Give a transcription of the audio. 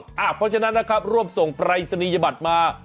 เพราะฉะนั้นนะครับร่วมส่งปรายศนียบัตรมา